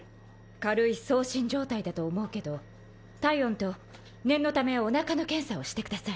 軽い喪心状態だと思うけど体温と念のためおなかの検査をしてください。